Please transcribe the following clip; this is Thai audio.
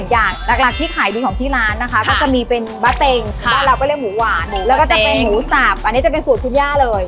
อย่างหลักที่ขายดีของที่ร้านนะคะก็จะมีเป็นบะเต็งบ้านเราก็เรียกหมูหวานแล้วก็จะเป็นหมูสาบอันนี้จะเป็นสูตรคุณย่าเลย